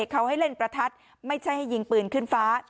เขาให้เล่นประทัดไม่ใช่ให้ยิงปืนขึ้นฟ้า